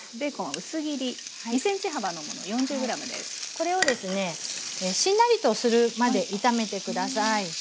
これをですねしんなりとするまで炒めて下さい。